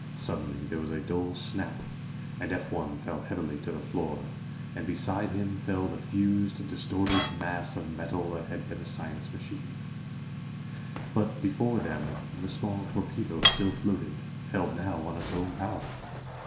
Suddenly, there was a dull snap, and F 1 fell heavily to the floor, and beside him fell the fused, distorted mass of metal that had been a science machine. But before them, the small torpedo still floated, held now on its own power!